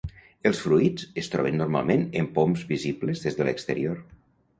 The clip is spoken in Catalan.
Els fruits es troben normalment en poms visibles des de l'exterior.